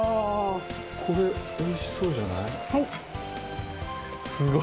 これ美味しそうじゃない？